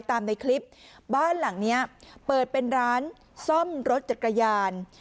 ในคลิปบ้านหลังเนี้ยเปิดเป็นร้านซ่อมรถจักรยาน